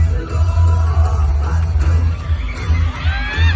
กลับไปกลับไป